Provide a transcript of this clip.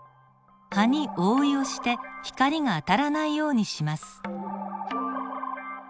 葉に覆いをして光が当たらないようにします。